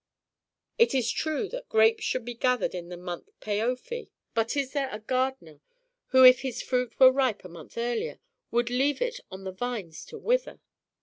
"It is true that grapes should be gathered in the month Paofi; but is there a gardener, who if his fruit were ripe a month earlier, would leave it on the vines to wither?